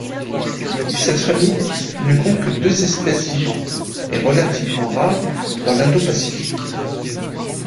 Cette famille ne compte que deux espèces vivantes, et relativement rares, dans l'Indo-Pacifique.